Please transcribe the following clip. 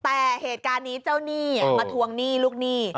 แต่เหตุการณ์นี้เจ้าหนี้มาทวงหนี้ลูกหนี้